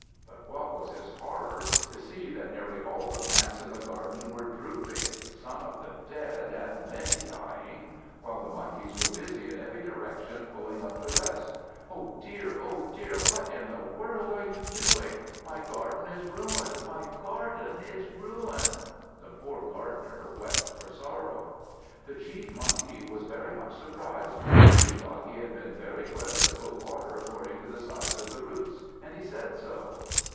But what was his horror to see that nearly all the plants in the garden were drooping, some of them dead and many dying, while the Monkeys were busy in every direction pulling up the rest. "Oh dear, oh dear, what in the world are you doing? My garden is ruined, my garden is ruined!" The poor gardener wept for sorrow. The Chief Monkey was very much surprised. He thought he had been very clever to put water according to the size of the roots, and he said so.